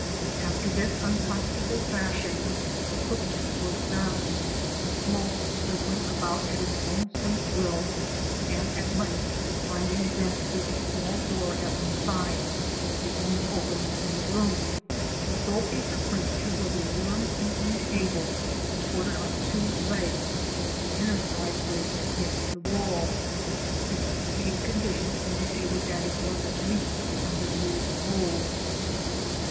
After this uncomfortable fashion the cooking was done, the smoke circling about at its own sweet will and at length finding vent through a small door at one side, the only opening in the room. The sole piece of furniture was a worm eaten table supported on two legs, the inner side braced against the wall. Its decayed condition indicated that it was at least a hundred years old.